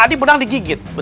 ada yang pasti